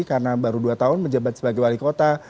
karena baru dua tahun menjabat sebagai wali kota